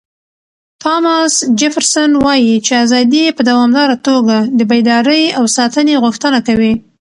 تاماس جفرسن وایي چې ازادي په دوامداره توګه د بیدارۍ او ساتنې غوښتنه کوي.